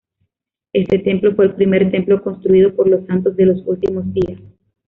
Este templo fue el primer templo construido por los Santos de los Últimos Días.